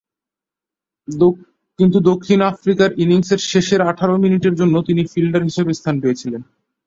কিন্তু দক্ষিণ আফ্রিকার ইনিংসের শেষের আঠারো মিনিটের জন্য তিনি ফিল্ডার হিসাবে স্থান পেয়েছিলেন।